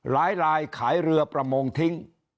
ลายขายเรือประมงทิ้ง